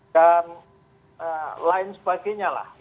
dan lain sebagainya